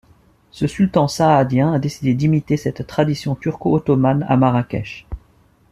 Ce sultan saadien a décidé d’imiter cette tradition turco-ottomane à Marrakech.